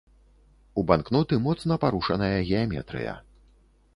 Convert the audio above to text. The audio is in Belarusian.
У банкноты моцна парушаная геаметрыя.